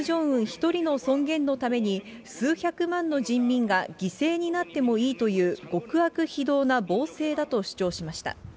一人の尊厳のために、数百万の人民が犠牲になってもいいという、極悪非道な暴政だと主張しました。